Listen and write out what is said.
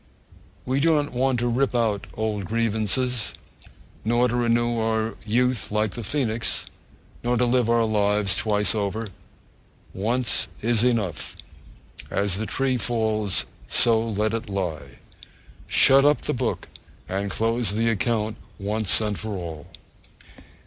We do not want to rip up old grievances, nor to renew our youth like the phoenix, nor to live our lives twice over. Once is enough. As the tree falls, so let it lie. Shut up the book and close the account once for all!